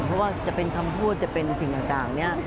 เพราะว่าจะเป็นคำพูดจะเป็นสิ่งต่างนี้